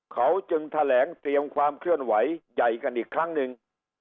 เขาจึงแถลงเตรียมความเคลื่อนไหวใหญ่กันอีกครั้งหนึ่ง